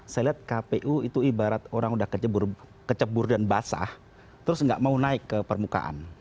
saya lihat kpu itu ibarat orang udah kecebur dan basah terus nggak mau naik ke permukaan